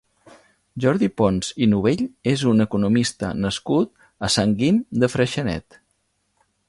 Jordi Pons i Novell és un economista nascut a Sant Guim de Freixenet.